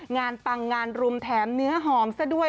ปังงานรุมแถมเนื้อหอมซะด้วย